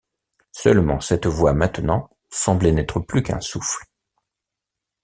Seulement cette voix maintenant semblait n’être plus qu’un souffle.